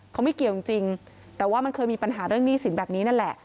เขาไม่เกี่ยวจริงแต่ว่ามันเคยมีปัญหาเรื่องหนี้สินแบบนี้นั่นแหละ